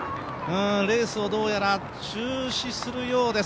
レースをどうやら中止するようです。